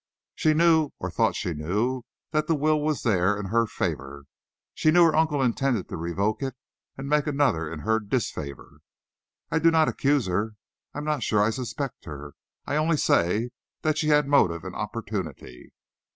She knew, or thought she knew, that the will was there, in her favor. She knew her uncle intended to revoke it and make another in her disfavor. I do not accuse her I'm not sure I suspect her I only say she had motive and opportunity."